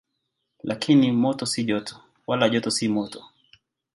Lakini moto si joto, wala joto si moto.